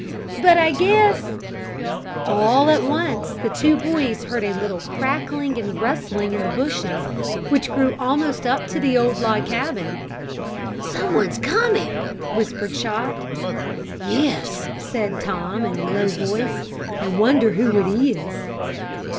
"But I guess " All at once the two boys heard a little crackling and rustling in the bushes which grew almost up to the old log cabin. "Someone's coming!" whispered Chot. "Yes," agreed Tom, in a low voice. "I wonder who it is?"